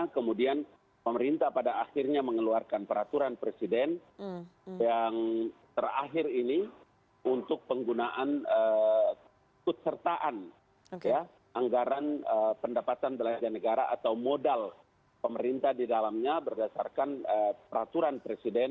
kemudian pemerintah pada akhirnya mengeluarkan peraturan presiden yang terakhir ini untuk penggunaan tut sertaan anggaran pendapatan belanja negara atau modal pemerintah di dalamnya berdasarkan peraturan presiden